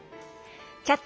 「キャッチ！